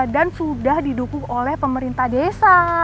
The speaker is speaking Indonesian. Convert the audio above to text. sudah didukung oleh pemerintah desa